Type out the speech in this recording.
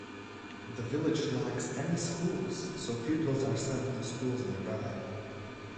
The village lacks any schools, so pupils are sent to schools nearby.